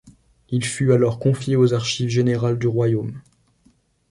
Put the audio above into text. Il fut alors confié aux Archives générales du Royaume.